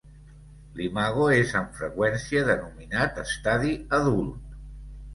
L'imago és amb freqüència denominat estadi adult.